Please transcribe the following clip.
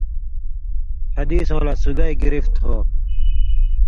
حدیثؤں لا سُگائ گرفت ہو؛